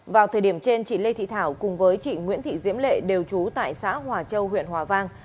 vào thời điểm trên chị lê thị thảo cùng với chị nguyễn thị diễm lệ đều trú tại xã hòa châu huyện hòa vang